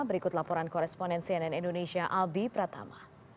berikut laporan koresponen cnn indonesia albi pratama